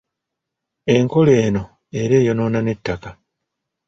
Enkola eno era eyonoona n'ettaka.